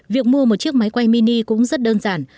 việc mua một chiếc máy quay mini cũng rất đơn giản